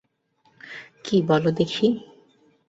কী বলো দেখি।